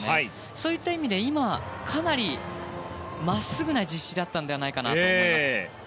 そういった意味で今のはかなり真っすぐな実施だったと思います。